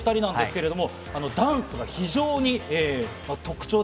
ダンスが非常に特徴的。